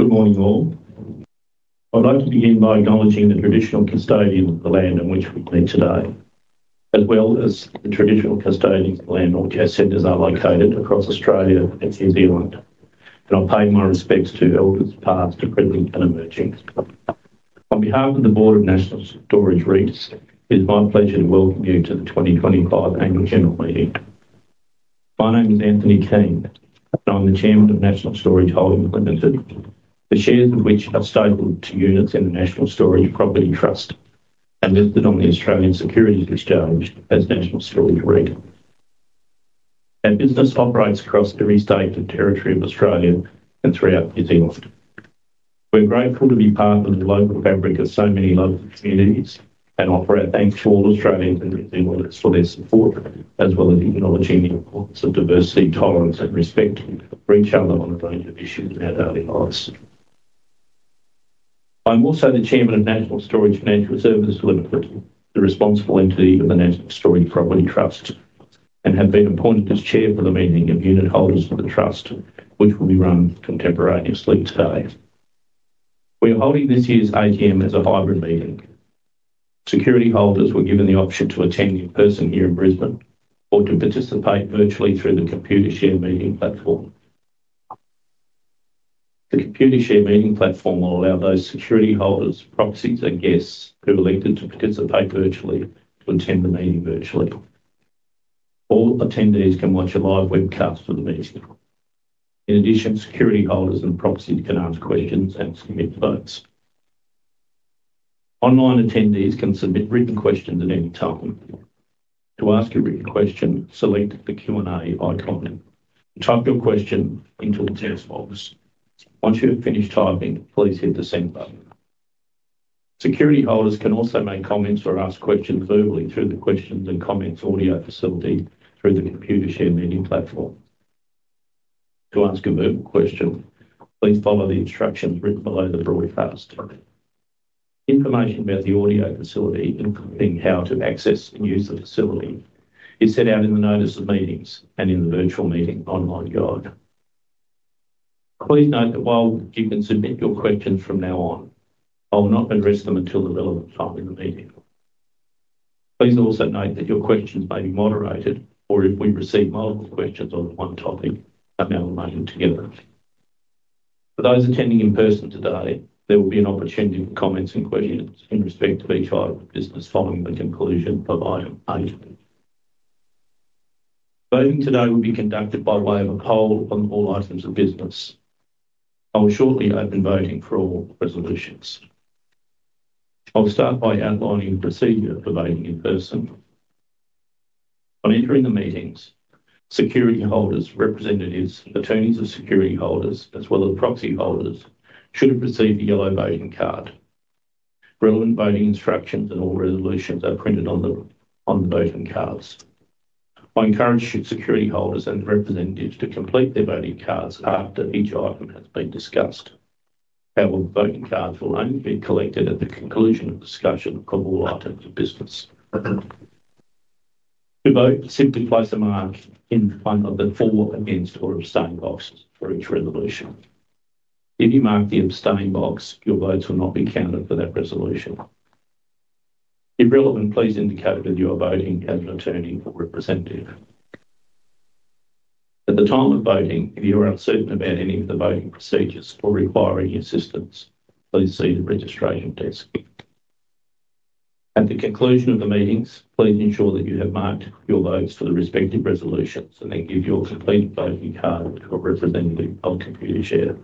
Good morning all. I'd like to begin by acknowledging the traditional custodians of the land on which we meet today, as well as the traditional custodians of the land on which our centers are located across Australia and New Zealand. I pay my respects to elders past, present, and emerging. On behalf of the Board of National Storage REIT, it is my pleasure to welcome you to the 2025 annual general meeting. My name is Anthony Keane, and I'm the Chairman of National Storage Holdings Ltd, the shares of which are stapled to units in the National Storage Property Trust and listed on the Australian Securities Exchange as National Storage REIT. Our business operates across every state and territory of Australia and throughout New Zealand. We're grateful to be part of the local fabric of so many local communities and offer our thanks to all Australians and New Zealanders for their support, as well as acknowledging the importance of diversity, tolerance, and respect for each other on a range of issues in our daily lives. I'm also the Chairman of National Storage Financial Services Ltd, the responsible entity of the National Storage Property Trust, and have been appointed as Chair for the meeting of unit holders of the Trust, which will be run contemporaneously today. We are holding this year's AGM as a hybrid meeting. Security holders were given the option to attend in person here in Brisbane or to participate virtually through the Computershare meeting platform. The Computershare meeting platform will allow those security holders, proxies, and guests who elected to participate virtually to attend the meeting virtually. All attendees can watch a live webcast of the meeting. In addition, security holders and proxies can ask questions and submit votes. Online attendees can submit written questions at any time. To ask a written question, select the Q&A icon and type your question into the text box. Once you have finished typing, please hit the send button. Security holders can also make comments or ask questions verbally through the questions and comments audio facility through the Computershare meeting platform. To ask a verbal question, please follow the instructions written below the broadcast. Information about the audio facility, including how to access and use the facility, is set out in the notice of meetings and in the virtual meeting online guide. Please note that while you can submit your questions from now on, I will not address them until the relevant time in the meeting. Please also note that your questions may be moderated, or if we receive multiple questions on one topic, I may allow them together. For those attending in person today, there will be an opportunity for comments and questions in respect of each item of business following the conclusion of item A. Voting today will be conducted by way of a poll on all items of business. I will shortly open voting for all resolutions. I'll start by outlining the procedure for voting in person. On entering the meetings, security holders, representatives, attorneys of security holders, as well as proxy holders should have received a yellow voting card. Relevant voting instructions and all resolutions are printed on the voting cards. I encourage security holders and representatives to complete their voting cards after each item has been discussed. Our voting cards will only be collected at the conclusion of the discussion of all items of business. To vote, simply place a mark in the front of the for, against, or abstain boxes for each resolution. If you mark the abstain box, your votes will not be counted for that resolution. If relevant, please indicate whether you are voting as an attorney or representative. At the time of voting, if you are uncertain about any of the voting procedures or requiring assistance, please see the registration desk. At the conclusion of the meetings, please ensure that you have marked your votes for the respective resolutions and then give your completed voting card to a representative on Computershare.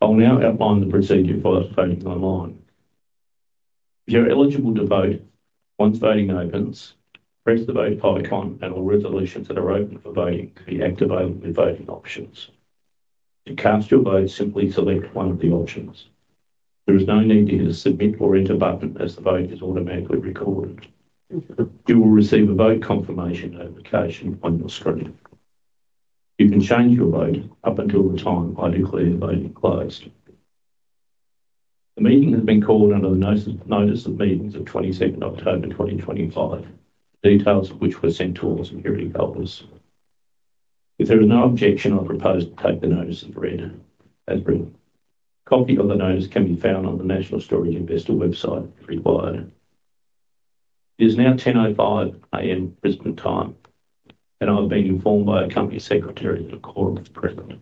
I'll now outline the procedure for voting online. If you're eligible to vote, once voting opens, press the vote icon and all resolutions that are open for voting will be activated with voting options. To cast your vote, simply select one of the options. There is no need to hit a submit or enter button as the vote is automatically recorded. You will receive a vote confirmation notification on your screen. You can change your vote up until the time I declare voting closed. The meeting has been called under the notice of meetings of 22nd October 2025, details of which were sent to all security holders. If there is no objection, I propose to take the notice of read as written. A copy of the notice can be found on the National Storage REIT investor website if required. It is now 10:05 A.M. Brisbane time, and I have been informed by our Company Secretary that a call has been pressed.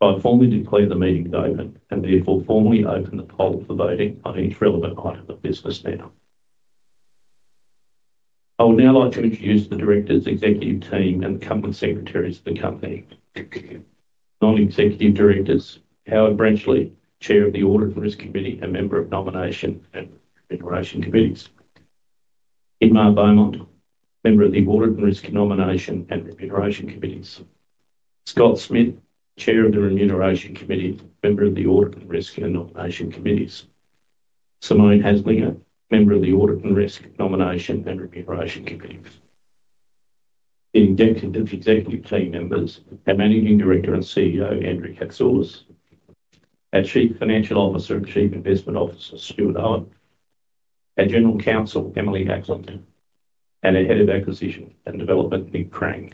I have formally declared the meeting open and therefore formally open the poll for voting on each relevant item of business now. I would now like to introduce the Directors, Executive Team, and the Company Secretaries of the company. Non-Executive Directors, Howard Brenchley, Chair of the Audit and Risk Committee and member of Nomination and Remuneration Committees. Inma Beaumont, member of the Audit and Risk, Nomination, and Remuneration Committees. Scott Smith, Chair of the Remuneration Committee, member of the Audit and Risk, Nomination Committees. Simone Haslinger, member of the Audit and Risk, Nomination, and Remuneration Committee. The Executive Team members, our Managing Director and CEO, Andrew Catsoulis, our Chief Financial Officer and Chief Investment Officer, Stuart Owen, our General Counsel, Emily Ackland, and our Head of Acquisition and Development, Nick Crang.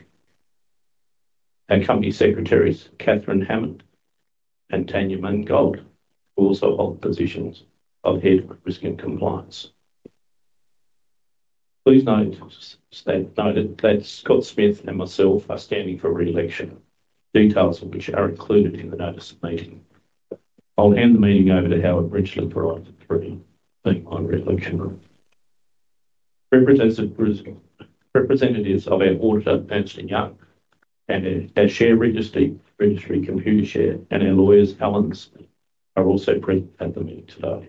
Our Company Secretaries, Katherine Hammond and Tanya Mangold, who also hold positions of Head of Risk and Compliance. Please note that Scott Smith and myself are standing for reelection, details of which are included in the Notice of Meeting. I'll hand the meeting over to Howard Brenchley for it being my reelection room. Representatives of our auditor, Ernst & Young, and our share registry, Computershare, and our lawyers, Owen, are also present at the meeting today.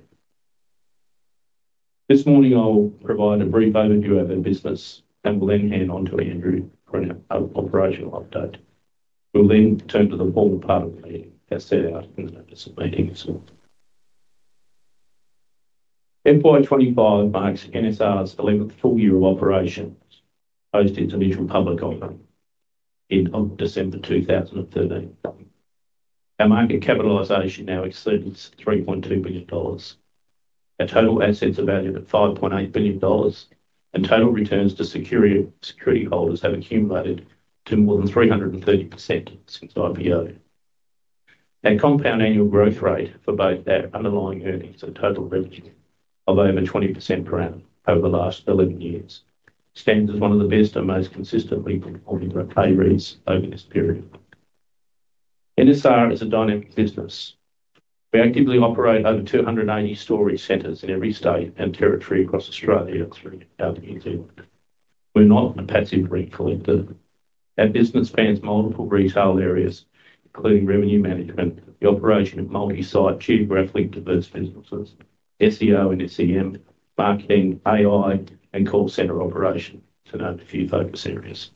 This morning, I'll provide a brief overview of our business and will then hand on to Andrew for an operational update. We'll then turn to the formal part of the meeting as set out in the Notice of Meetings. FY 2025 marks NSR's 11th full year of operations post its initial public offering in December 2013. Our market capitalization now exceeds $3.2 billion. Our total assets are valued at $5.8 billion, and total returns to security holders have accumulated to more than 330% since IPO. Our compound annual growth rate for both our underlying earnings and total revenue of over 20% per annum over the last 11 years stands as one of the best and most consistently performing pay rates over this period. NSR is a dynamic business. We actively operate over 280 storage centers in every state and territory across Australia and throughout New Zealand. We're not a passive rent collector. Our business spans multiple retail areas, including revenue management, the operation of multi-site, geographically diverse businesses, SEO and SEM, marketing, AI, and call centre operation, to note a few focus areas.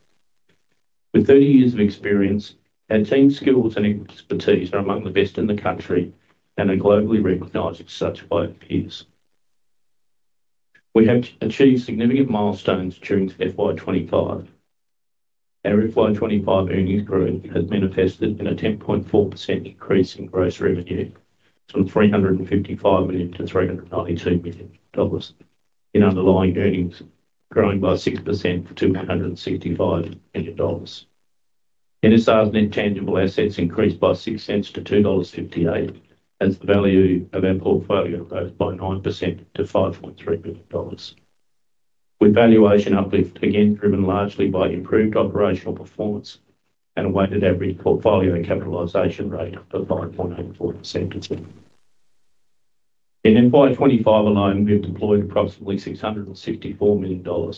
With 30 years of experience, our team skills and expertise are among the best in the country and are globally recognized as such by our peers. We have achieved significant milestones during FY 2025. Our FY 2025 earnings growth has manifested in a 10.4% increase in gross revenue from $355 million to $392 million in underlying earnings, growing by 6% to $265 million. NSR's net tangible assets increased by $0.06-$2.58, as the value of our portfolio rose by 9% to $5.3 billion, with valuation uplift, again driven largely by improved operational performance and a weighted average portfolio and capitalisation rate of 5.84%. In FY 2025 alone, we've deployed approximately $664 million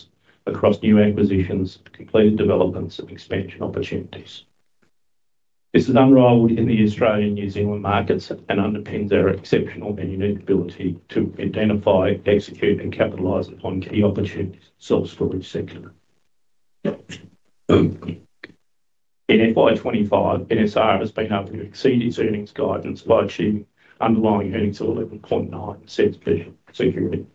across new acquisitions, completed developments, and expansion opportunities. This is unrivaled in the Australia and New Zealand markets and underpins our exceptional and unique ability to identify, execute, and capitalize upon key opportunities sourced for each sector. In FY 2025, NSR has been able to exceed its earnings guidance by achieving underlying earnings of $0.119 per unit of security.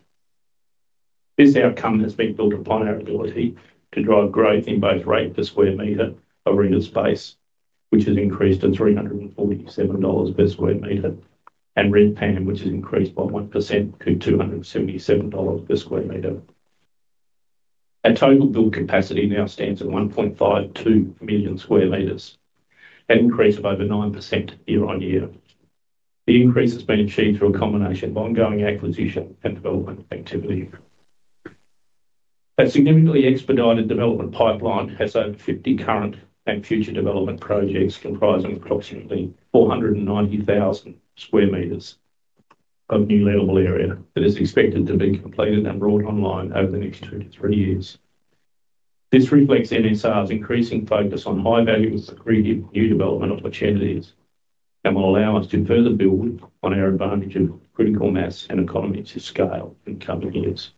This outcome has been built upon our ability to drive growth in both rate per square metre of rental space, which has increased to $347 per square metre, and rent PAM, which has increased by 1% to $277 per square metre. Our total build capacity now stands at 1.52 million square metres, an increase of over 9% year on year. The increase has been achieved through a combination of ongoing acquisition and development activity. A significantly expedited development pipeline has over 50 current and future development projects comprising approximately 490,000 square metres of new landable area that is expected to be completed and brought online over the next two to three years. This reflects NSR's increasing focus on high-value and security of new development opportunities and will allow us to further build on our advantage of critical mass and economies of scale in the coming years.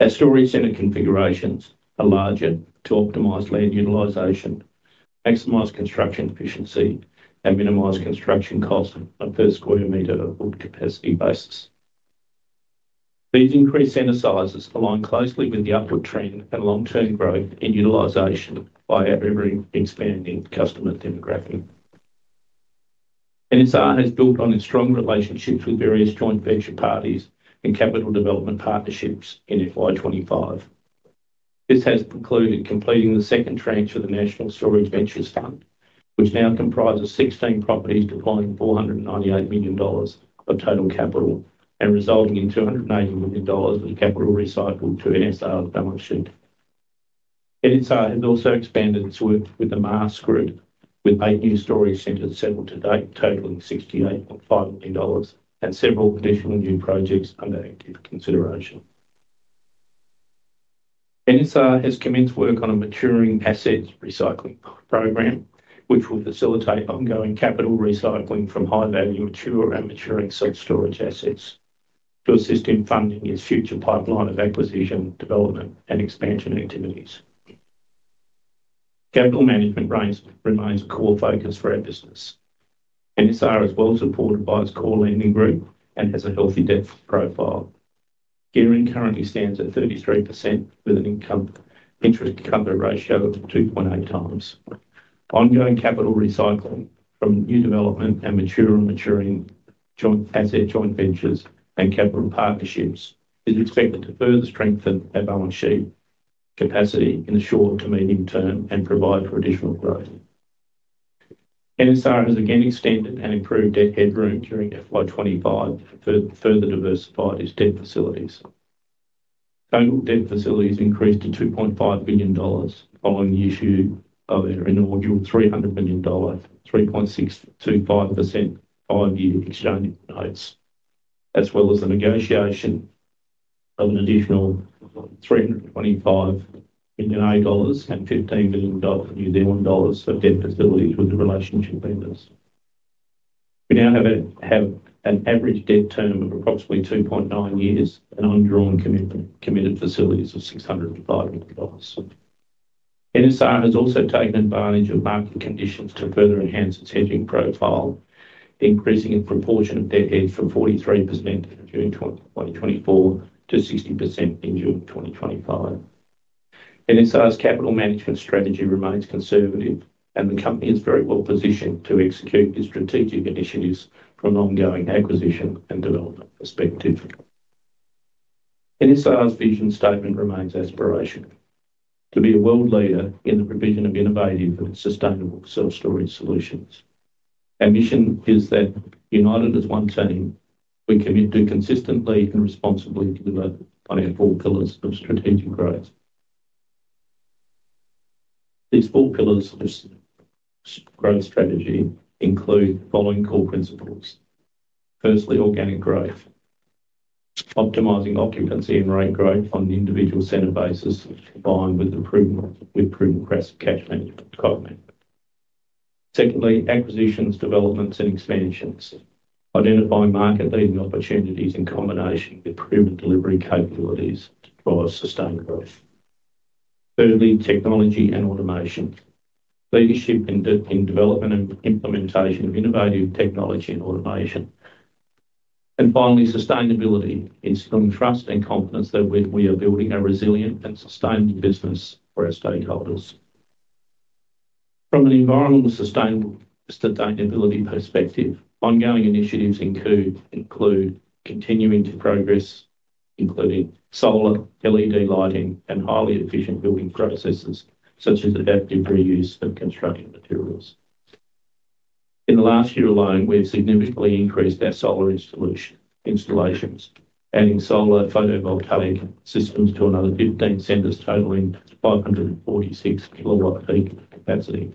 Our storage centre configurations are larger to optimize land utilization, maximize construction efficiency, and minimize construction costs on a per square metre of book capacity basis. These increased center sizes align closely with the upward trend and long-term growth in utilization by our ever-expanding customer demographic. NSR has built on its strong relationships with various joint venture parties and capital development partnerships in FY 2025. This has precluded completing the second tranche of the National Storage Ventures Fund, which now comprises 16 properties deploying $498 million of total capital and resulting in $280 million of capital recycled to NSR's balance sheet. NSR has also expanded its work with the MAAS Group, with eight new storage centers settled to date, totaling $68.5 million and several additional new projects under active consideration. NSR has commenced work on a maturing asset recycling program, which will facilitate ongoing capital recycling from high-value mature and maturing self-storage assets to assist in funding its future pipeline of acquisition, development, and expansion activities. Capital management remains a core focus for our business. NSR is well supported by its core lending group and has a healthy debt profile. Gearing currently stands at 33% with an interest cover ratio of 2.8x. Ongoing capital recycling from new development and mature and maturing asset joint ventures and capital partnerships is expected to further strengthen our balance sheet capacity in the short to medium term and provide for additional growth. NSR has again extended and improved debt headroom during FY 2025 to further diversify its debt facilities. Total debt facilities increased to $2.5 billion following the issue of our inaugural $300 million, 3.625% five-year exchange notes, as well as the negotiation of an additional 325 million dollars and NZDD 15 million of debt facilities with the relationship lenders. We now have an average debt term of approximately 2.9 years and undrawn committed facilities of $605 million. NSR has also taken advantage of market conditions to further enhance its hedging profile, increasing a proportion of debt hedge from 43% in June 2024 to 60% in June 2025. NSR's capital management strategy remains conservative, and the company is very well positioned to execute its strategic initiatives from an ongoing acquisition and development perspective. NSR's vision statement remains aspirational to be a world leader in the provision of innovative and sustainable self-storage solutions. Our mission is that, united as one team, we commit to consistently and responsibly deliver on our four pillars of strategic growth. These four pillars of growth strategy include the following core principles. Firstly, organic growth, optimizing occupancy and rate growth on an individual center basis, combined with proven cash management and co-management. Secondly, acquisitions, developments, and expansions, identifying market-leading opportunities in combination with proven delivery capabilities to drive sustained growth. Thirdly, technology and automation, leadership in development and implementation of innovative technology and automation. Finally, sustainability, instilling trust and confidence that we are building a resilient and sustainable business for our stakeholders. From an environmental sustainability perspective, ongoing initiatives include continuing to progress, including solar, LED lighting, and highly efficient building processes such as adaptive reuse of construction materials. In the last year alone, we've significantly increased our solar installations, adding solar photovoltaic systems to another 15 centers, totaling 546 kW peak capacity.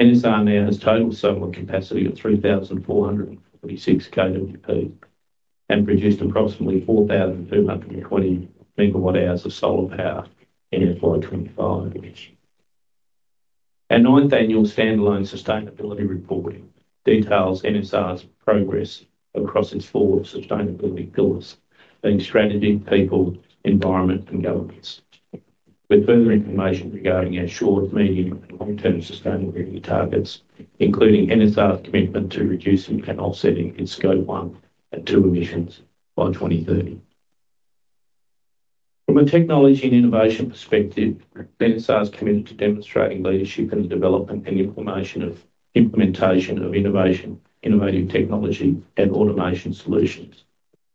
NSR now has total solar capacity of 3,446 kWp and produced approximately 4,220 MW hours of solar power in FY 2025. Our ninth annual standalone sustainability reporting details NSR's progress across its four sustainability pillars, being strategy, people, environment, and governance, with further information regarding our short, medium, and long-term sustainability targets, including NSR's commitment to reducing and offsetting its Scope 1 and 2 emissions by 2030. From a technology and innovation perspective, NSR's committed to demonstrating leadership in the development and implementation of innovative technology and automation solutions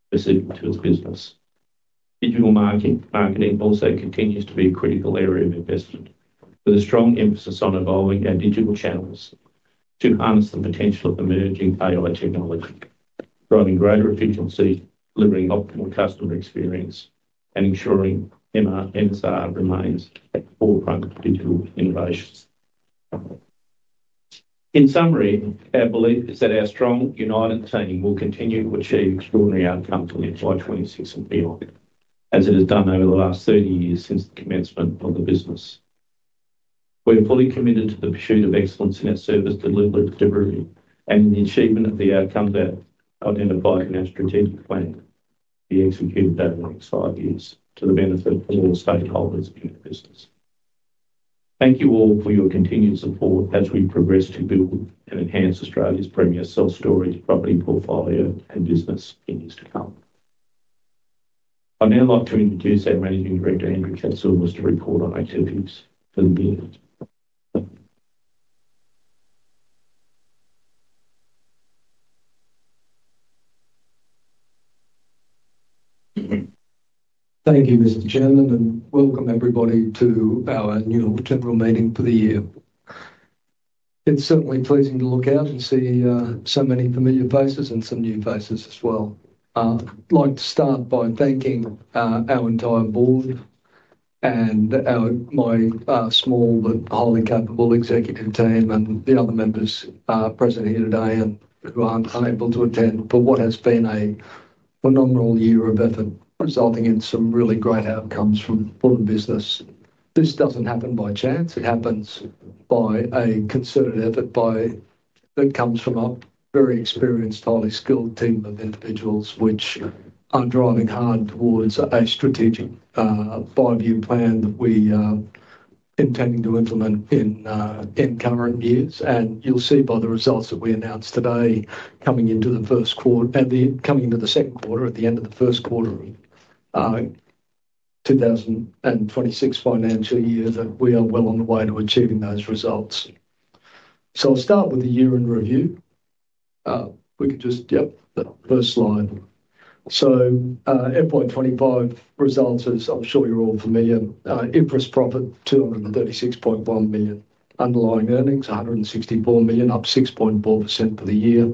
specific to its business. Digital marketing also continues to be a critical area of investment, with a strong emphasis on evolving our digital channels to harness the potential of emerging AI technology, driving greater efficiency, delivering optimal customer experience, and ensuring NSR remains at the forefront of digital innovations. In summary, our belief is that our strong, united team will continue to achieve extraordinary outcomes in FY 2026 and beyond, as it has done over the last 30 years since the commencement of the business. We're fully committed to the pursuit of excellence in our service delivery and in the achievement of the outcomes identified in our strategic plan to be executed over the next five years to the benefit of all stakeholders in the business. Thank you all for your continued support as we progress to build and enhance Australia's premier self-storage property portfolio and business in years to come. I'd now like to introduce our Managing Director, Andrew Catsoulis, to report on activities for the year. Thank you, Mr. Chairman, and welcome everybody to our annual general meeting for the year. It's certainly pleasing to look out and see so many familiar faces and some new faces as well. I'd like to start by thanking our entire Board and my small but highly capable executive team and the other members present here today and who aren't able to attend for what has been a phenomenal year of effort, resulting in some really great outcomes from the business. This doesn't happen by chance. It happens by a concerted effort that comes from a very experienced, highly skilled team of individuals, which are driving hard towards a strategic five-year plan that we are intending to implement in current years. You'll see by the results that we announced today coming into the first quarter and coming into the second quarter at the end of the first quarter of the 2026 financial year that we are well on the way to achieving those results. I'll start with the year-end review. We could just, yep, the first slide. FY 2025 results, as I'm sure you're all familiar, interest profit, $236.1 million. Underlying earnings, $164 million, up 6.4% for the year.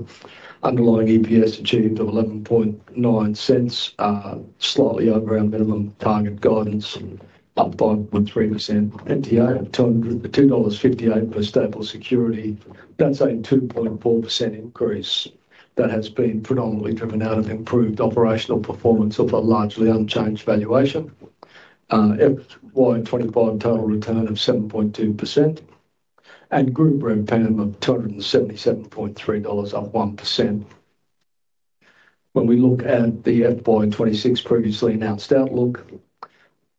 Underlying EPS achieved of $0.119, slightly over our minimum target guidance, up 5.3%. NTO, $2.58 per staple security. That's a 2.4% increase that has been predominantly driven out of improved operational performance of a largely unchanged valuation. FY 2025 total return of 7.2% and group revenue of $277.3 million, up 1%. When we look at the FY 2026 previously announced outlook,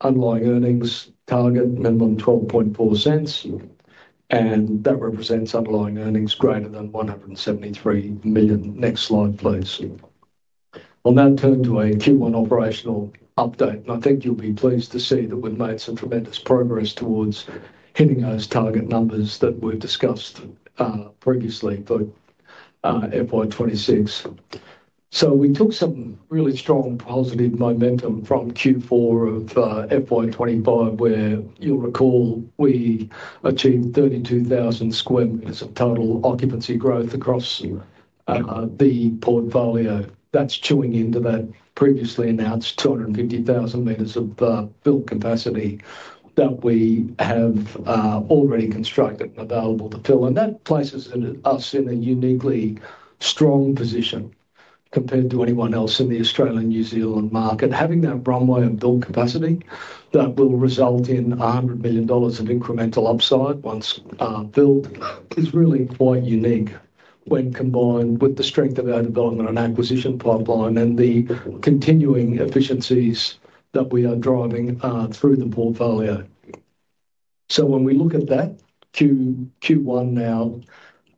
underlying earnings target minimum $0.124, and that represents underlying earnings greater than $173 million. Next slide, please. I'll now turn to a Q1 operational update. I think you'll be pleased to see that we've made some tremendous progress towards hitting those target numbers that we've discussed previously for FY 2026. We took some really strong positive momentum from Q4 of FY 2025, where you'll recall we achieved 32,000 square metres of total occupancy growth across the portfolio. That's chewing into that previously announced 250,000 metres of build capacity that we have already constructed and available to fill. That places us in a uniquely strong position compared to anyone else in the Australia and New Zealand market. Having that runway of build capacity that will result in $100 million of incremental upside once built is really quite unique when combined with the strength of our development and acquisition pipeline and the continuing efficiencies that we are driving through the portfolio. When we look at that Q1 now,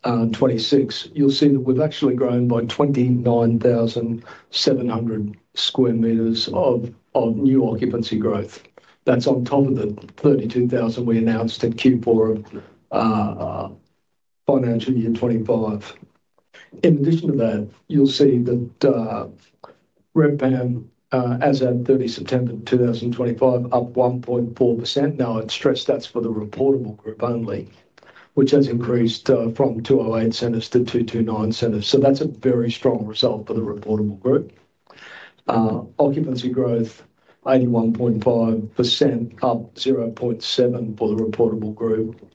2026, you'll see that we've actually grown by 29,700 square metres of new occupancy growth. That's on top of the 32,000 we announced at Q4 of financial year 2025. In addition to that, you'll see that rep PAM as of 30 September 2025, up 1.4%. I'd stress that's for the reportable group only, which has increased from 208 centres to 229 centres. That's a very strong result for the reportable group. Occupancy growth, 81.5%, up 0.7% for the reportable group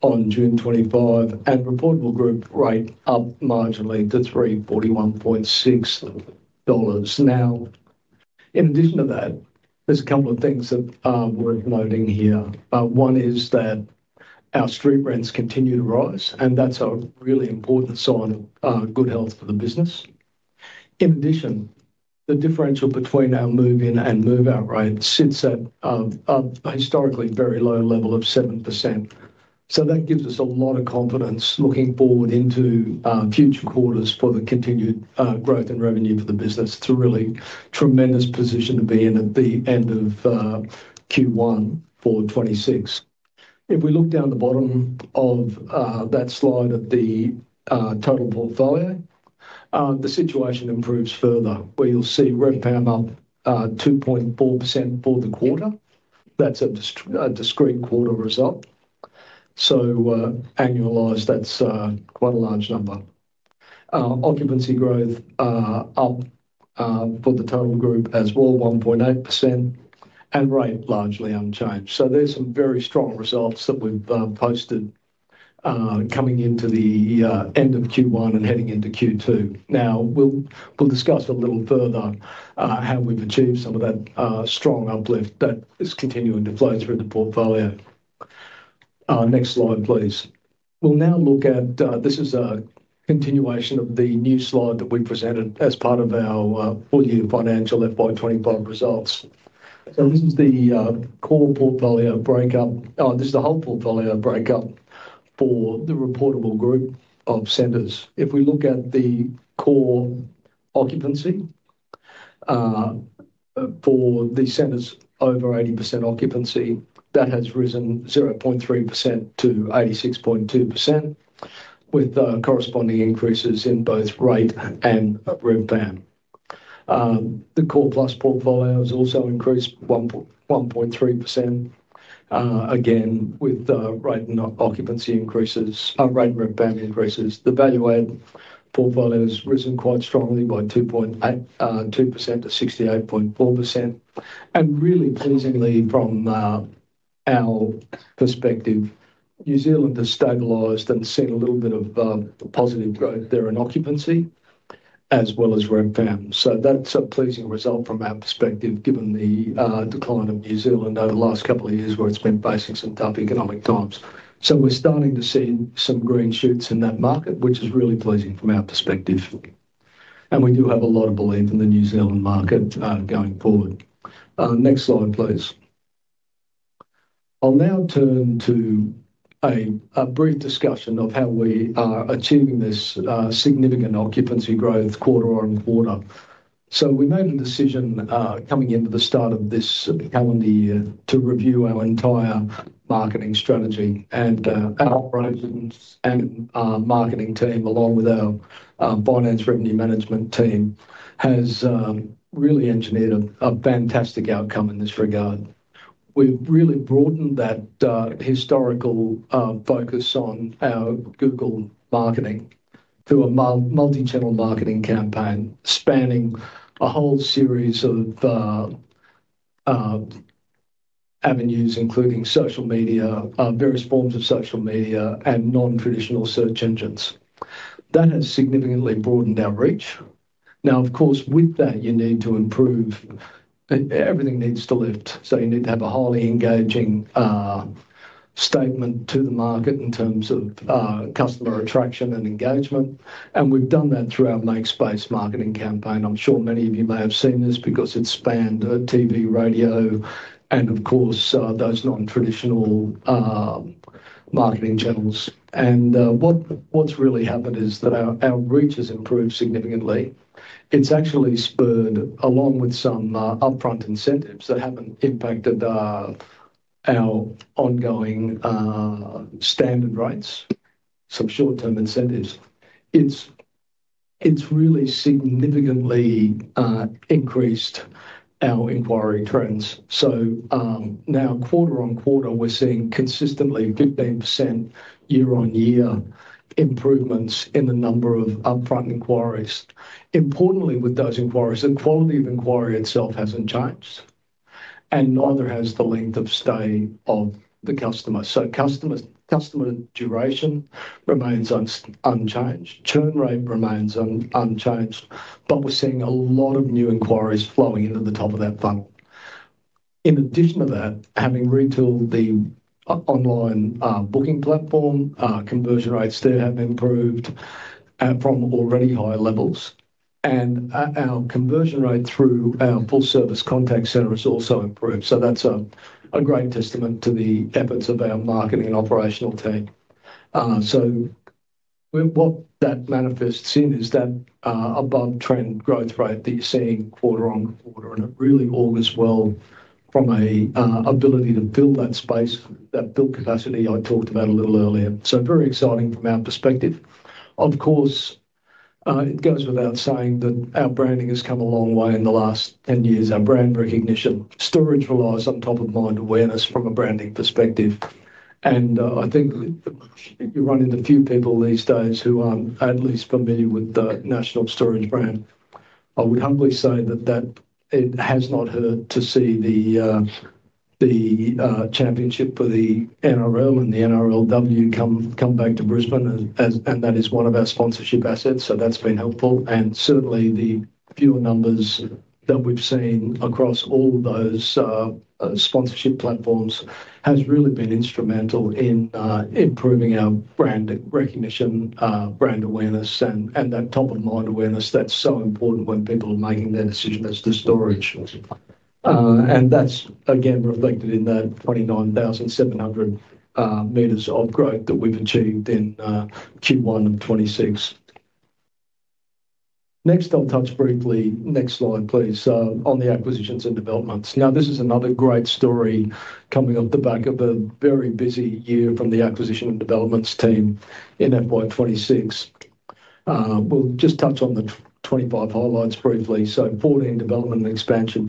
on June 2025. Reportable group rate up marginally to $341.6. In addition to that, there's a couple of things that are worth noting here. One is that our street rents continue to rise, and that's a really important sign of good health for the business. In addition, the differential between our move-in and move-out rates sits at a historically very low level of 7%. That gives us a lot of confidence looking forward into future quarters for the continued growth and revenue for the business. It's a really tremendous position to be in at the end of Q1 for 2026. If we look down the bottom of that slide of the total portfolio, the situation improves further, where you'll see rep PAM up 2.4% for the quarter. That's a discrete quarter result. Annualized, that's quite a large number. Occupancy growth up for the total group as well, 1.8%, and rate largely unchanged. There are some very strong results that we've posted coming into the end of Q1 and heading into Q2. We'll discuss a little further how we've achieved some of that strong uplift that is continuing to flow through the portfolio. Next slide, please. We'll now look at this as a continuation of the new slide that we presented as part of our four-year financial FY 2025 results. This is the core portfolio breakup. This is the whole portfolio breakup for the reportable group of centres. If we look at the core occupancy for the centres over 80% occupancy, that has risen 0.3% to 86.2% with corresponding increases in both rate and rep PAM. The core plus portfolio has also increased 1.3%, again, with rate and occupancy increases, rate and rep PAM increases. The value-add portfolio has risen quite strongly by 2.2% to 68.4%. Really pleasingly, from our perspective, New Zealand has stabilized and seen a little bit of positive growth there in occupancy as well as rep PAM. That is a pleasing result from our perspective, given the decline of New Zealand over the last couple of years where it's been facing some tough economicx. We're starting to see some green shoots in that market, which is really pleasing from our perspective. We do have a lot of belief in the New Zealand market going forward. Next slide, please. I'll now turn to a brief discussion of how we are achieving this significant occupancy growth quarter on quarter. We made a decision coming into the start of this calendar year to review our entire marketing strategy. Our operations and marketing team, along with our finance revenue management team, has really engineered a fantastic outcome in this regard. We've really broadened that historical focus on our Google marketing through a multi-channel marketing campaign, spanning a whole series of avenues, including social media, various forms of social media, and non-traditional search engines. That has significantly broadened our reach. Of course, with that, you need to improve. Everything needs to lift. You need to have a highly engaging statement to the market in terms of customer attraction and engagement. We've done that through our makespace marketing campaign. I'm sure many of you may have seen this because it spanned TV, radio, and those non-traditional marketing channels. What's really happened is that our reach has improved significantly. It's actually spurred, along with some upfront incentives that haven't impacted our ongoing standard rates, some short-term incentives. It's really significantly increased our inquiry trends. Now, quarter on quarter, we're seeing consistently 15% year-on-year improvements in the number of upfront inquiries. Importantly, with those inquiries, the quality of inquiry itself hasn't changed, and neither has the length of stay of the customer. Customer duration remains unchanged. Churn rate remains unchanged, but we're seeing a lot of new inquiries flowing into the top of that funnel. In addition to that, having retooled the online booking platform, conversion rates still have improved from already high levels. Our conversion rate through our full-service contact center has also improved. That's a great testament to the efforts of our marketing and operational team. What that manifests in is that above-trend growth rate that you're seeing quarter on quarter, and it really augurs well from an ability to fill that space, that build capacity I talked about a little earlier. Very exciting from our perspective. Of course, it goes without saying that our branding has come a long way in the last 10 years. Our brand recognition, storage relies on top-of-mind awareness from a branding perspective. I think you run into few people these days who aren't at least familiar with the National Storage brand. I would humbly say that it has not hurt to see the championship for the NRL and the NRLW come back to Brisbane, and that is one of our sponsorship assets. That's been helpful. Certainly, the viewer numbers that we've seen across all those sponsorship platforms have really been instrumental in improving our brand recognition, brand awareness, and that top-of-mind awareness that's so important when people are making their decision as to storage. That's, again, reflected in that 29,700 metres of growth that we've achieved in Q1 of 2026. Next, I'll touch briefly, next slide, please, on the acquisitions and developments. This is another great story coming off the back of a very busy year from the acquisition and developments team in FY 2026. We'll just touch on the 2025 highlights briefly. Fourteen development and expansion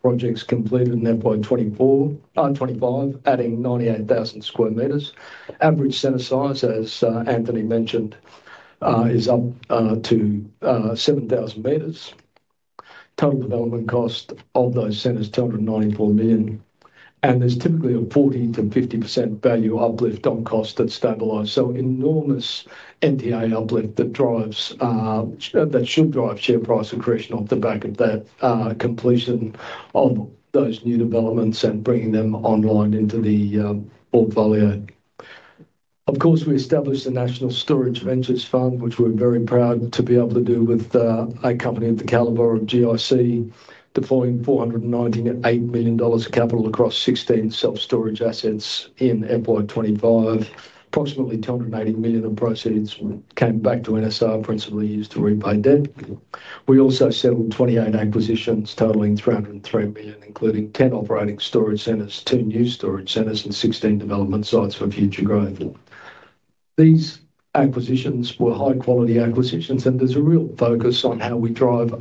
projects completed in FY 2025, adding 98,000 sq m. Average centre size, as Anthony mentioned, is up to 7,000 m. Total development cost of those centres is $294 million. There's typically a 40%-50% value uplift on cost that's stabilised. Enormous NTI uplift that should drive share price accretion off the back of that completion of those new developments and bringing them online into the portfolio. We established the National Storage Ventures Fund, which we're very proud to be able to do with a company of the calibre of GIC, deploying $498 million of capital across 16 self-storage assets in FY 2025. Approximately $280 million of proceeds came back to NSR, principally used to repay debt. We also settled 28 acquisitions totaling $303 million, including 10 operating storage centres, 2 new storage centres, and 16 development sites for future growth. These acquisitions were high-quality acquisitions, and there's a real focus on how we drive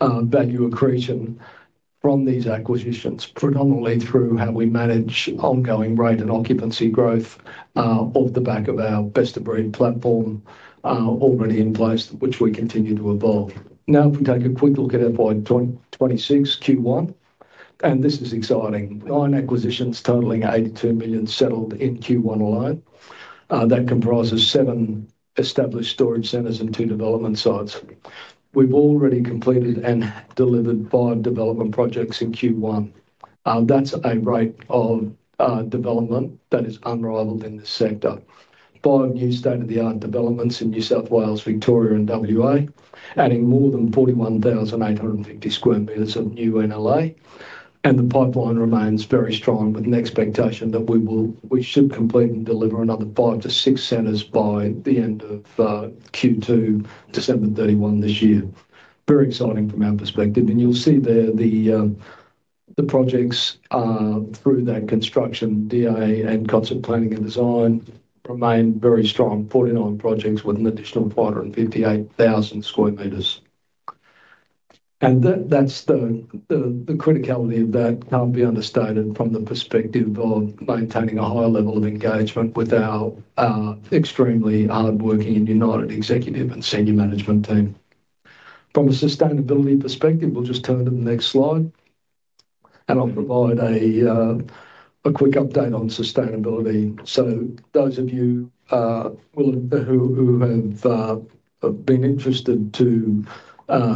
value accretion from these acquisitions, predominantly through how we manage ongoing rate and occupancy growth off the back of our best-of-breed platform already in place, which we continue to evolve. Now, if we take a quick look at FY 2026 Q1, and this is exciting. Nine acquisitions totaling $82 million settled in Q1 alone. That comprises seven established storage centres and two development sites. We've already completed and delivered five development projects in Q1. That's a rate of development that is unrivaled in this sector. Five new state-of-the-art developments in New South Wales, Victoria, and WA, adding more than 41,850 sq m of new NLA. The pipeline remains very strong with an expectation that we will, we should complete and deliver another five to six centres by the end of Q2, December 31 this year. Very exciting from our perspective. You'll see there the projects through that construction, DIA, and concept planning and design remain very strong. Forty-nine projects with an additional 558,000 sq m. The criticality of that can't be understated from the perspective of maintaining a high level of engagement with our extremely hard-working and united Executive and Senior Management Team. From a sustainability perspective, we'll just turn to the next slide. I'll provide a quick update on sustainability. Those of you who have been interested to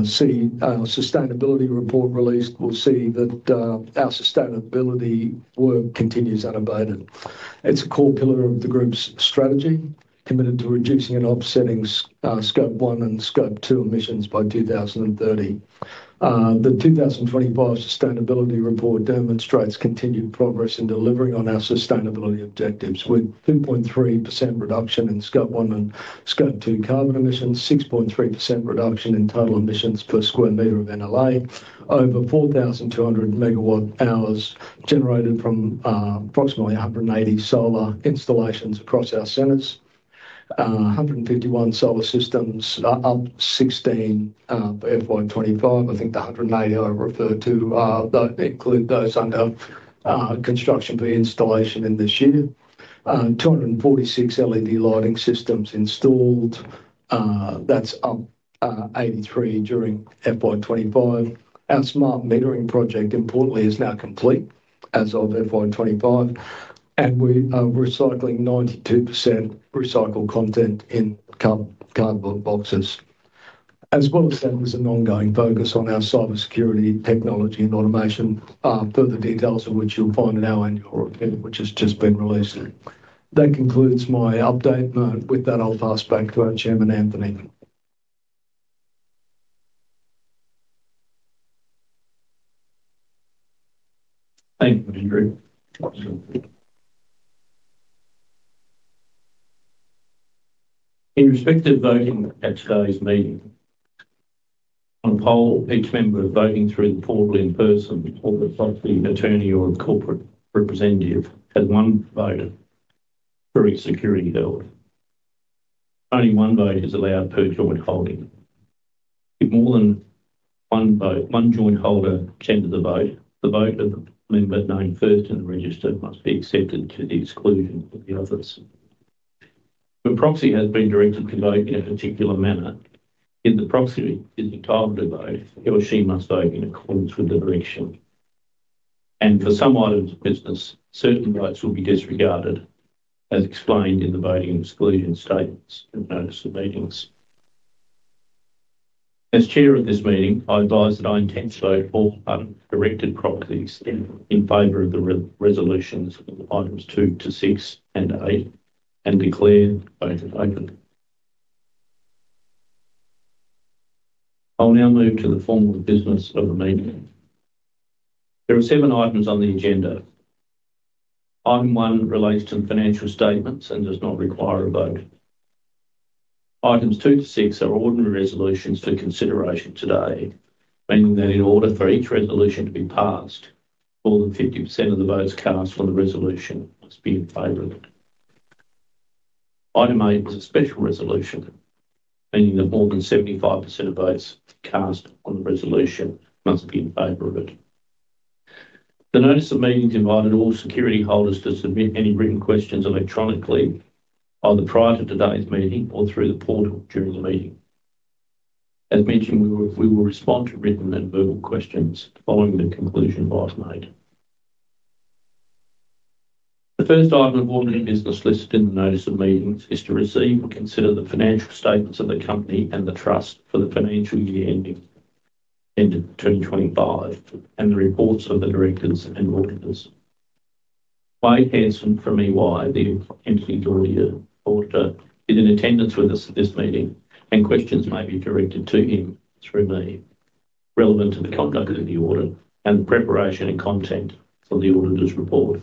see our sustainability report released will see that our sustainability work continues unabated. It's a core pillar of the group's strategy, committed to reducing and offsetting Scope 1 and Scope 2 emissions by 2030. The 2025 sustainability report demonstrates continued progress in delivering on our sustainability objectives with 2.3% reduction in Scope 1 and Scope 2 carbon emissions, 6.3% reduction in total emissions per square metre of NLA, over 4,200 MWh generated from approximately 180 solar installations across our centres. One hundred fifty-one solar systems are up 16 FY 2025. I think the 180 I referred to include those under construction for installation in this year. Two hundred forty-six LED lighting systems installed. That's up 83 during FY 2025. Our smart metering project, importantly, is now complete as of FY 2025. We are recycling 92% recycled content in cardboard boxes. As well as that, there's an ongoing focus on our cybersecurity technology and automation, further details of which you'll find in our annual report, which has just been released. That concludes my update. With that, I'll pass back to our Chairman, Anthony. Thank you, Andrew. In respect of voting at today's meeting, on poll, each member voting through the portal in person or the properly appointed attorney or a corporate representative has one vote for each security holder. Only one vote is allowed per joint holding. If more than one joint holder tendered the vote, the vote of the member named first in the register must be accepted to the exclusion of the others. When a proxy has been directed to vote in a particular manner, if the proxy is entitled to vote, he or she must vote in accordance with the direction. For some items of business, certain votes will be disregarded, as explained in the voting exclusion statements and notice of meetings. As Chair of this meeting, I advise that I intend to vote all items directed proxies in favor of the resolutions of items 2 to 6 and 8 and declare the vote open. I'll now move to the formal business of the meeting. There are seven items on the agenda. Item one relates to the financial statements and does not require a vote. Items 2-6 are ordinary resolutions for consideration today, meaning that in order for each resolution to be passed, more than 50% of the votes cast on the resolution must be in favor of it. Item eight is a special resolution, meaning that more than 75% of votes cast on the resolution must be in favor of it. The notice of meeting invited all security holders to submit any written questions electronically, either prior to today's meeting or through the portal during the meeting. As mentioned, we will respond to written and verbal questions following the conclusion of item eight. The first item of ordinary business listed in the notice of meetings is to receive and consider the financial statements of the company and the trust for the financial year ending end of 2025 and the reports of the directors and auditors. Wade Hanson from EY, the entity auditor, is in attendance with us at this meeting, and questions may be directed to him through me relevant to the conduct of the audit and the preparation and content for the auditor's report,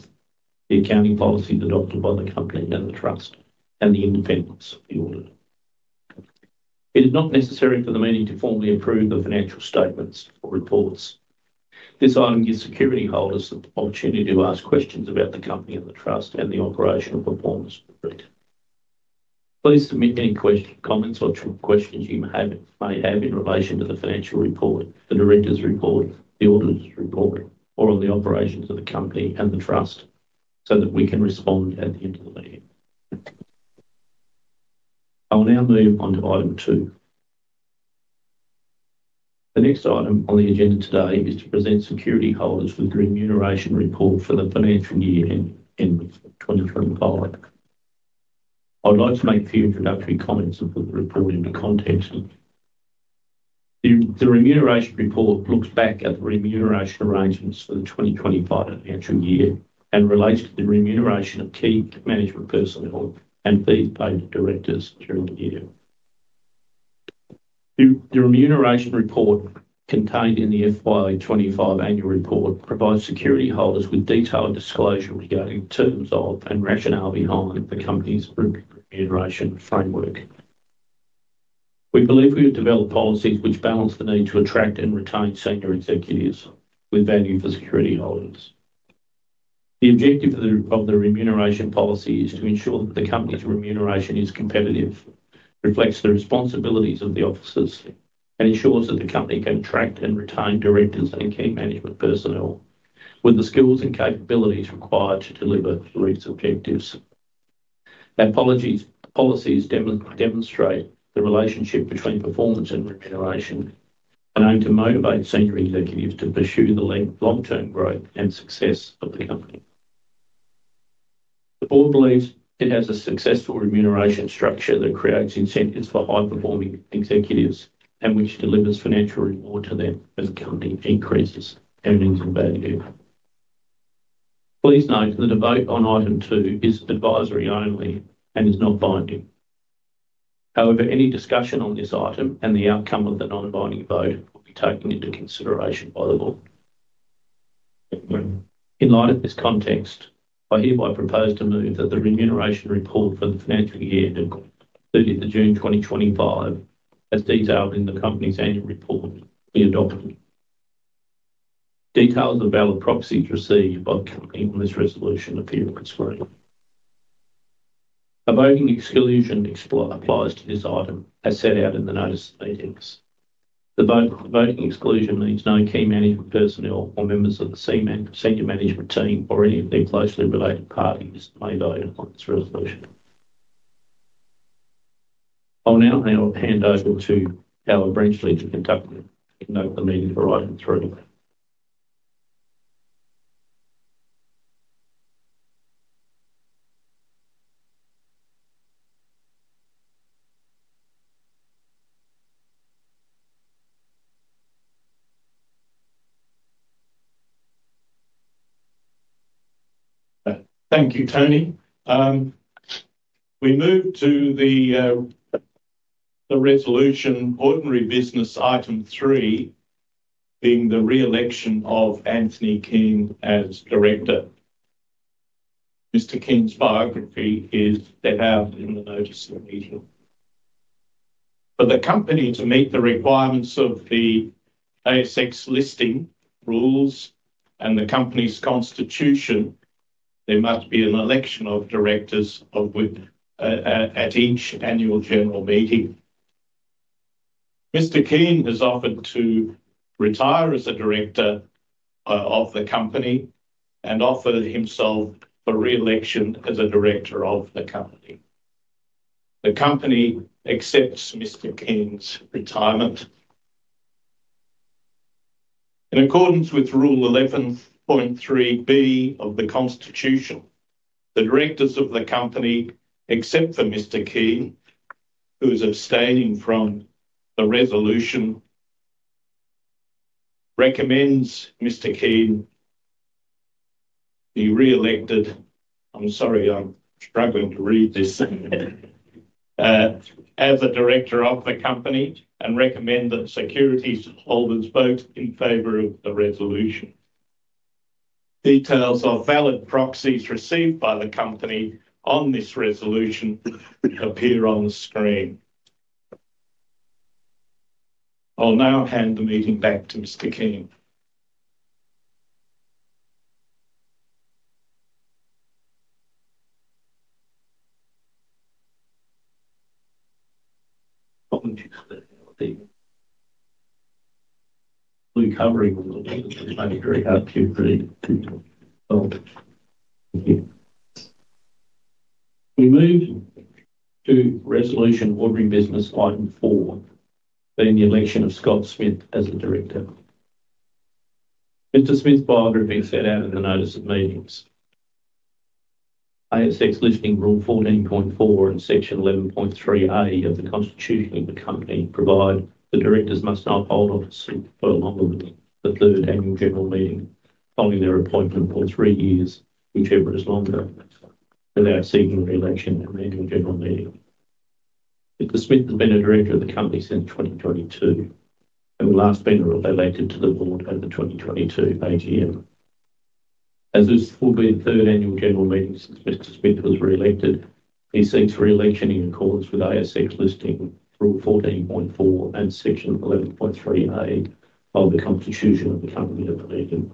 the accounting policies adopted by the company and the trust, and the independence of the audit. It is not necessary for the meeting to formally approve the financial statements or reports. This item gives security holders the opportunity to ask questions about the company and the trust and the operational performance of the group. Please submit any questions, comments, or questions you may have in relation to the financial report, the director's report, the auditor's report, or on the operations of the company and the trust so that we can respond at the end of the meeting. I'll now move on to item two. The next item on the agenda today is to present security holders with the remuneration report for the financial year ending end of 2025. I'd like to make a few introductory comments and put the report into context. The remuneration report looks back at the remuneration arrangements for the 2025 financial year and relates to the remuneration of key management personnel and fees paid to directors during the year. The remuneration report contained in the FY 2025 annual report provides security holders with detailed disclosure regarding the terms of and rationale behind the company's remuneration framework. We believe we have developed policies which balance the need to attract and retain senior executives with value for security holders. The objective of the remuneration policy is to ensure that the company's remuneration is competitive, reflects the responsibilities of the officers, and ensures that the company can attract and retain directors and key management personnel with the skills and capabilities required to deliver the lead's objectives. Our policies demonstrate the relationship between performance and remuneration and aim to motivate senior executives to pursue the long-term growth and success of the company. The board believes it has a successful remuneration structure that creates incentives for high-performing executives and which delivers financial reward to them as the company increases earnings and value. Please note that the vote on item two is advisory only and is not binding. However, any discussion on this item and the outcome of the non-binding vote will be taken into consideration by the board. In light of this context, I hereby propose to move that the remuneration report for the financial year ending June 2025, as detailed in the company's annual report, be adopted. Details of valid proxies received by the company on this resolution appear on the screen. A voting exclusion applies to this item as set out in the notice of meetings. The voting exclusion means no key management personnel or members of the senior management team or any of the closely related parties may vote on this resolution. I'll now hand over to our branch leader to conduct the meeting for item three. Thank you, Tony. We move to the resolution ordinary business item three, being the reelection of Anthony Keane as director. Mr. Keane's biography is set out in the notice of meeting. For the company to meet the requirements of the ASX listing rules and the company's constitution, there must be an election of directors at each annual general meeting. Mr. Keane has offered to retire as a director of the company and offered himself for reelection as a director of the company. The company accepts Mr. Keane's retirement. In accordance with Rule 11.3(b) of the Constitution, the directors of the company, except for Mr. Keane, who is abstaining from the resolution, recommend Mr. Keane be reelected. As a director of the company, I recommend that security holders vote in favour of the resolution. Details of valid proxies received by the company on this resolution appear on the screen. I'll now hand the meeting back to Mr. Keane. We move to resolution ordinary business item four, being the election of Scott Smith as a director. Mr. Smith's biography is set out in the notice of meeting. ASX listing Rule 14.4 and Section 11.3(a) of the Constitution of the company provide the directors must not hold office for longer than the third annual general meeting following their appointment or three years, whichever is longer, without seeking reelection at the annual general meeting. Mr. Smith has been a director of the company since 2022 and the last member elected to the board at the 2022 AGM. As this will be the third annual general meeting since Mr. Smith was elected, he seeks reelection in accordance with ASX listing Rule 14.4 and Section 11.3(a) of the Constitution of the company at the meeting.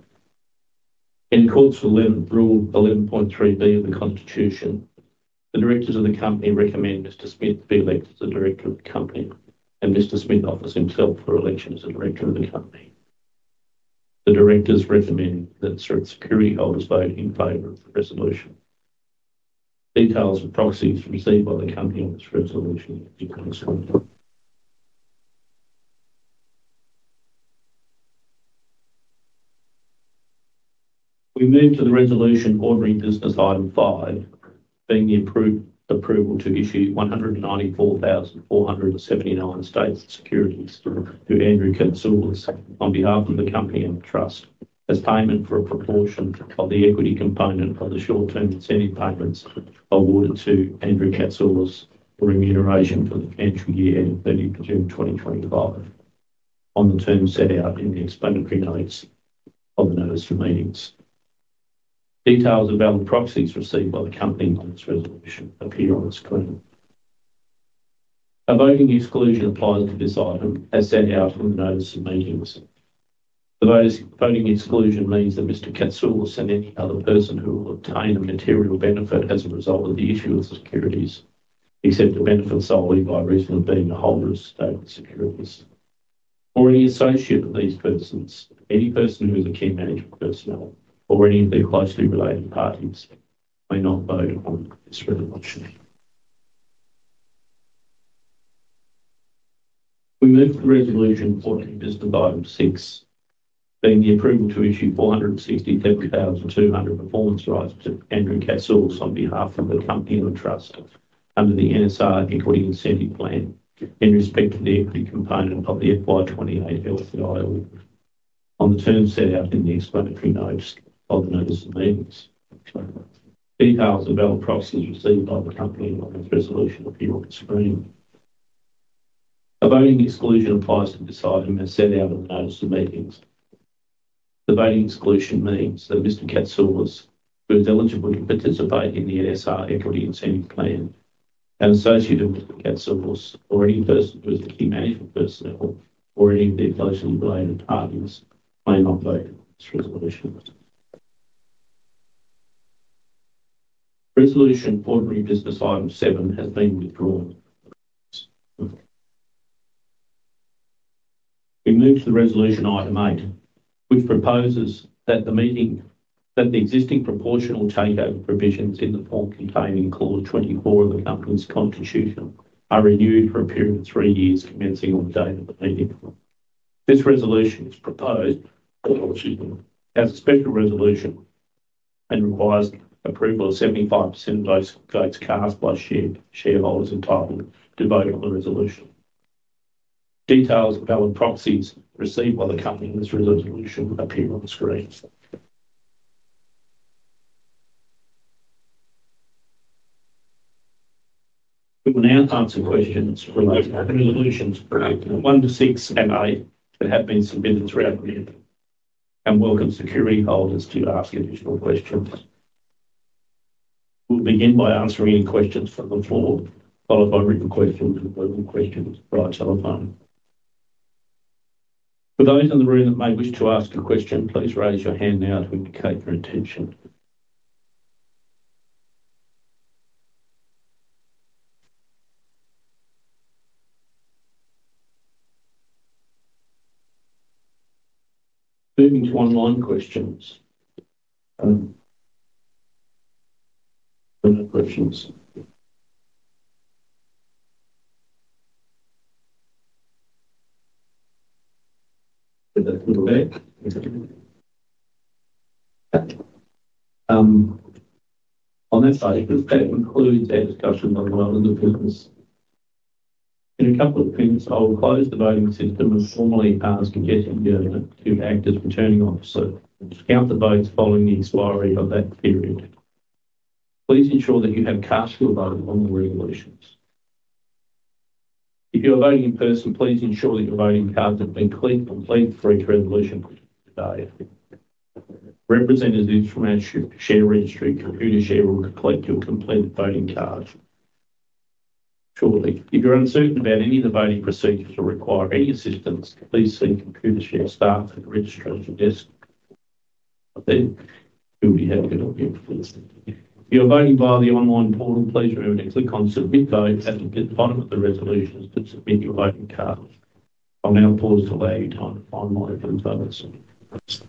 In accordance with Rule 11.3(b) of the Constitution, the directors of the company recommend Mr. Smith be elected as a director of the company, and Mr. Smith offers himself for election as a director of the company. The directors recommend that security holders vote in favour of the resolution. Details of proxies received by the company on this resolution are on the screen. We move to the resolution ordinary business item five, being the approval to issue 194,479 stapled securities to Andrew Catsoulis on behalf of the company and the trust as payment for a proportion of the equity component of the short-term incentive payments awarded to Andrew Catsoulis for remuneration for the financial year end of 30 June 2025 on the terms set out in the explanatory notes of the notice of meetings. Details of valid proxies received by the company on this resolution appear on the screen. A voting exclusion applies to this item as set out in the notice of meetings. The voting exclusion means that Mr. Catsoulis and any other person who will obtain a material benefit as a result of the issue of securities, except a benefit solely by reason of being a holder of stapled securities, or any associate of these persons, any person who is a key management personnel, or any of their closely related parties may not vote on this resolution. We move to the resolution ordinary business item six, being the approval to issue 467,200 performance rights to Andrew Catsoulis on behalf of the company and the trust under the NSR Equity Incentive Plan in respect to the equity component of the FY 2028 LTI on the terms set out in the explanatory notes of the notice of meetings. Details of valid proxies received by the company on this resolution appear on the screen. A voting exclusion applies to this item as set out in the notice of meetings. The voting exclusion means that Mr. Catsoulis, who is eligible to participate in the NSR Equity Incentive Plan, an associate of Mr. Catsoulis, or any person who is a key management personnel, or any of their closely related parties may not vote on this resolution. Resolution ordinary business item seven has been withdrawn. We move to the resolution item eight, which proposes that the meeting that the existing proportional takeover provisions in the form contained in clause 24 of the company's constitution are renewed for a period of three years commencing on the date of the meeting. This resolution is proposed as a special resolution and requires approval of 75% of those votes cast by shareholders entitled to vote on the resolution. Details of valid proxies received by the company on this resolution appear on the screen. We will now answer questions related to resolutions one to six and eight that have been submitted throughout the meeting. I welcome security holders to ask additional questions. We'll begin by answering any questions from the floor, followed by written questions and verbal questions via telephone. For those in the room that may wish to ask a question, please raise your hand now to indicate your attention. Moving to online questions. On this item, this concludes our discussion on the business. In a couple of minutes, I will close the voting system and formally ask a guest adjournment to act as returning officer to count the votes following the expiry of that period. Please ensure that you have cast your vote on the resolutions. If you are voting in person, please ensure that your voting cards have been completed for each resolution today. Representatives from our share registry Computershare will collect your completed voting cards shortly. If you're uncertain about any of the voting procedures or require any assistance, please see Computershare staff at the registration desk. I think they'll be happy to help you. If you're voting via the online portal, please remember to click on submit vote at the bottom of the resolutions to submit your voting cards. I'll now pause to allow you time to finalize those votes. I'll now declare the voting closed.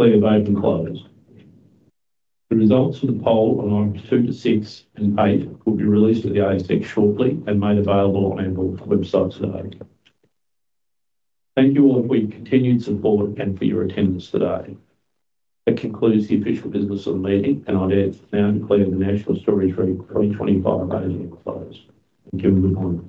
The results of the poll on items two to six and eight will be released to the ASX shortly and made available on our website today. Thank you all for your continued support and for your attendance today. That concludes the official business of the meeting, and I now declare the National Storage REIT 2025 voting closed. Thank you and good morning.